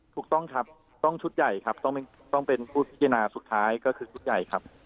ถูกต้องครับต้องชุดใหญ่ครับต้องเป็นผู้พิจารณาสุดท้ายก็คือชุดใหญ่ครับ